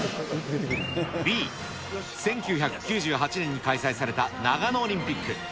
Ｂ、１９９８年に開催された長野オリンピック。